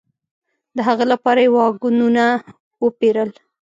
د هغه لپاره یې واګونونه وپېرل.